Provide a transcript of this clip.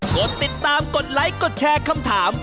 กดติดตามกดไลค์กดแชร์คำถาม